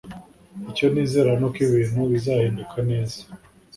icyo nizera nuko ibintu bizahinduka neza